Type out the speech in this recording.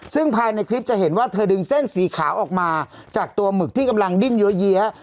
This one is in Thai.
ซึ่งภายในคลิปจะเห็นว่าเธอดึงเส้นสีขาวออกมาจากตัวหมึกที่กำลังดิ้นเยอะ